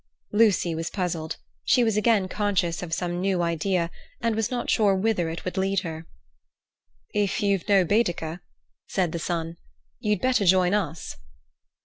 Lucy was puzzled. She was again conscious of some new idea, and was not sure whither it would lead her. "If you've no Baedeker," said the son, "you'd better join us."